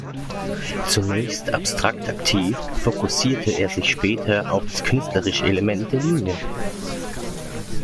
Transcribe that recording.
Zunächst abstrakt aktiv, fokussierte er sich später auf das künstlerische Element der Linie.